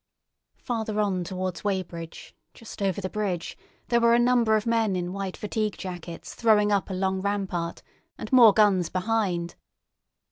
Farther on towards Weybridge, just over the bridge, there were a number of men in white fatigue jackets throwing up a long rampart, and more guns behind.